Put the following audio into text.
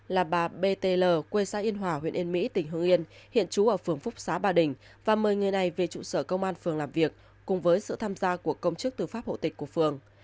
là bà btl quê xã yên hòa huyện yên mỹ tỉnh hương yên hiện trú ở phường phúc xá ba đình và mời người này về trụ sở công an phường làm việc cùng với sự tham gia của công chức tư pháp hộ tịch của phường